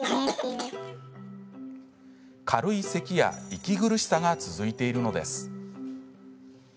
軽いせきや息苦しさが続いているのです。